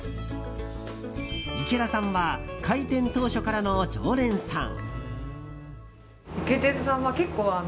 池田さんは開店当初からの常連さん。